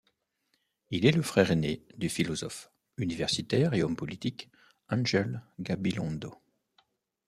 Il est le frère aîné du philosophe, universitaire et homme politique Ángel Gabilondo.